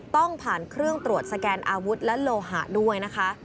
ต้องผ่านเครื่องตรวจสแกนอาวุธและโลหะด้วยนะคะ